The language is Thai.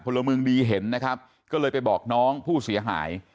ละเมืองดีเห็นนะครับก็เลยไปบอกน้องผู้เสียหาย